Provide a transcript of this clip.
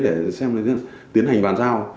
để xem tiến hành bàn giao